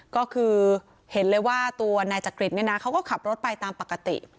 ก็คือเห็นเลยว่าตัวนายจักริตเนี่ยนะเขาก็ขับรถไปตามปกติ